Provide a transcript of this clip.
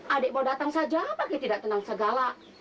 adik mau datang saja apalagi tidak tenang segala